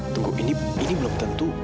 tunggu ini belum tentu